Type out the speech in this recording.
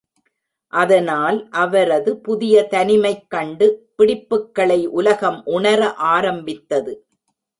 அதனால், அவரது புதிய தனிமைக் கண்டு பிடிப்புக்களை உலகம் உணர ஆரம்பித்தது.